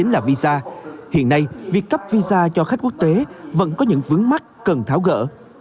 là visa hiện nay việc cấp visa cho khách quốc tế vẫn có những vướng mắt cần tháo gỡ